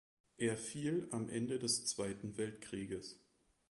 Er fiel am Ende des Zweiten Weltkrieges.